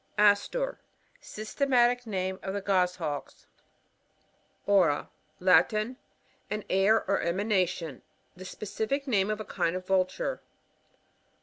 AsTUR— Systematic name of the Goshawkc. Aura. — Latin. An air or emanation. The specific name of a kind oi Vulture.